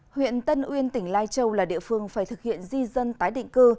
huyện tân uyên tỉnh lai châu là địa phương phải thực hiện di dân tái định cư